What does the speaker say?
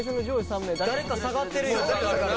誰か下がってるやん。